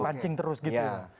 dipancing terus gitu